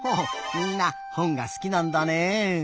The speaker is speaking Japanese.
みんなほんがすきなんだね。